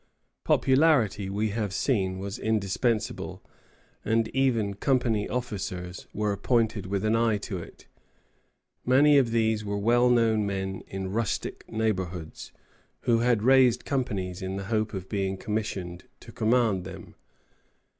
Popularity, we have seen, was indispensable, and even company officers were appointed with an eye to it. Many of these were well known men in rustic neighborhoods, who had raised companies in the hope of being commissioned to command them.